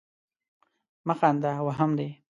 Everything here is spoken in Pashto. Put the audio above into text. مه خانده ! وهم دي.